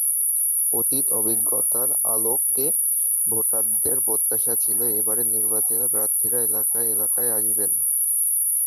অতীত অভিজ্ঞতার আলোকে ভোটারদের প্রত্যাশা ছিল, এবারের নির্বাচনেও প্রার্থীরা এলাকায় এলাকায় আসবেন।